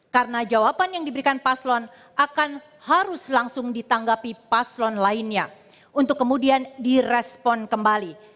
karena jawaban yang diberikan paslon akan harus langsung ditanggapi paslon lainnya untuk kemudian direspon kembali